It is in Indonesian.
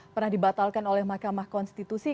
pernah dibatalkan oleh mahkamah konstitusi